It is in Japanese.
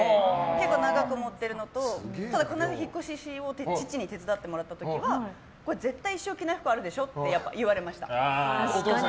結構長く持ってるのと引っ越ししようと父に手伝ってもらった時は一生着ないやつあるでしょって言われました。